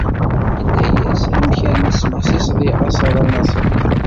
Yenna-yas amek armi tesmeḥsiseḍ i Aṣala Naṣri.